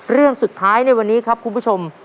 เรื่องสุดท้ายในวันนี้ครับคุณผู้ชม